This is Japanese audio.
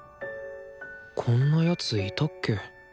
こんな奴いたっけ？